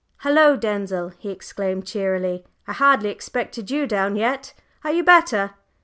"Hullo, Denzil!" he exclaimed cheerily, "I hardly expected you down yet. Are you better?"